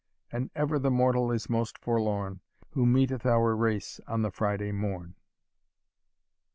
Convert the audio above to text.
And ever the mortal is most forlorn. Who meeteth our race on the Friday morn."